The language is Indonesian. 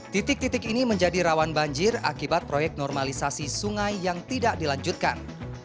titik titik ini menjadi rawan banjir akibat proyek normalisasi sungai yang tidak dilanjutkan